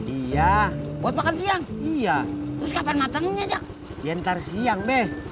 iya buat makan siang iya terus kapan matangnya jak dia ntar siang deh